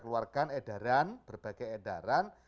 keluarkan edaran berbagai edaran